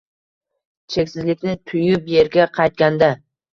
Cheksizlikni tuyub, yerga qaytganda